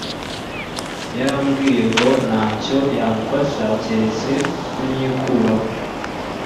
Yarambwiye ngo ntacyo yamfasha keretse kunyikuramo